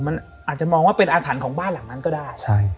มันอาจจะมองว่าเป็นอาถรรพ์ของบ้านหลังนั้นก็ได้